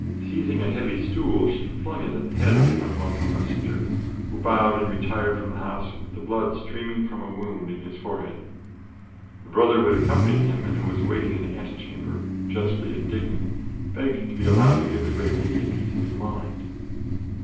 Seizing a heavy stool, she flung it at the head of the unwelcome messenger, who bowed and retired from the house with the blood streaming from a wound in his forehead. The brother who had accompanied him and who was waiting in the antechamber, justly indignant, begged to be allowed to give the great lady a piece of his mind.